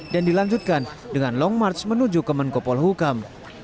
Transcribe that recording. dan dilanjutkan dengan long march menuju kemenkopol hukam